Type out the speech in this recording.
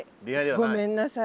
ごめんなさい。